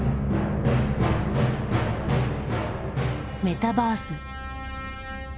「メタバース」。